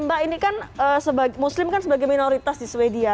mbak ini kan muslim kan sebagai minoritas di sweden